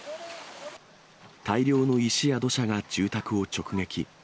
大量の石や土砂が住宅を直撃。